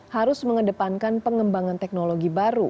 harus mengedepankan pengembangan teknologi baru